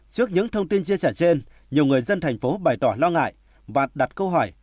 trước những thông tin chia sẻ trên nhiều người dân thành phố bày tỏ lo ngại và đặt câu hỏi